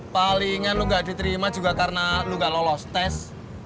palingan lu gak diterima juga karena lu gak lolos tes